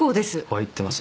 Ｙってます